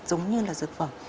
giống như là dược phẩm